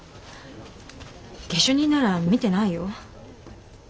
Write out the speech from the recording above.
下手人なら見てないよ。